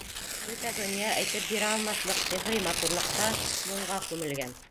Бөтә донъя әйтеп бирә алмаҫлыҡ сихри матурлыҡҡа, моңға күмелгән.